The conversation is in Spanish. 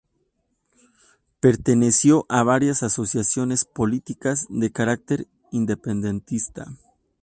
Perteneció a varias asociaciones políticas de carácter independentista.